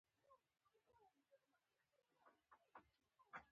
همدې ته شرطي سازي ويل کېږي.